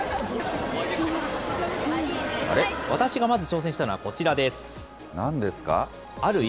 私がまず挑戦したのはこちらなんですか？